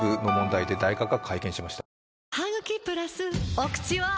お口は！